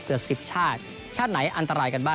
เกือบ๑๐ชาติชาติไหนอันตรายกันบ้าง